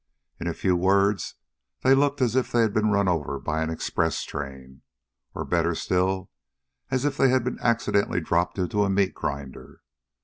In a few words, they looked as if they had been run over by an express train. Or better still, as if they'd been accidentally dropped into a meat grinder.